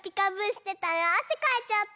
してたらあせかいちゃった。